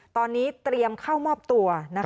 ตอนนี้เตรียมเข้ามอบตัว